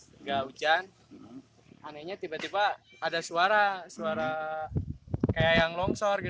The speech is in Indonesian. enggak hujan anehnya tiba tiba ada suara suara kayak yang longsor